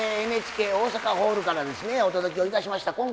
ＮＨＫ大阪ホールからですねお届けをいたしました